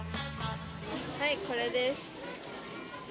はい、これです。